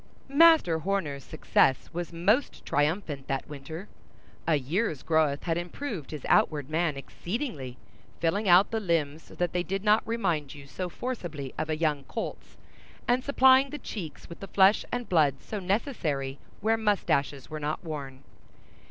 Master Horner's success was most triumphant that winter. A year's growth had improved his outward man exceedingly, filling out the limbs so that they did not remind you so forcibly of a young colt's, and supplying the cheeks with the flesh and blood so necessary where mustaches were not worn.